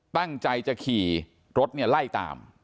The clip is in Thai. ตั้งใจจะขี่รถเนี่ยไล่ตาม